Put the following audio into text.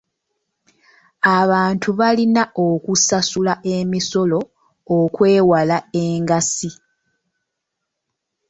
Abantu balina okusasula emisolo okwewala engassi.